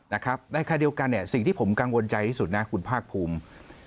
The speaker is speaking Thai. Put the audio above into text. นะครับในค่าเดียวกันสิ่งที่ผมกังวลใจที่สุดนะคุณภาคภูมิ